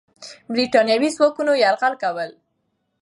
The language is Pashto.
برتانوي ځواکونه یرغل کوله.